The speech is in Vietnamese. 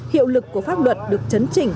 hiệu lực của pháp luật được chấn trị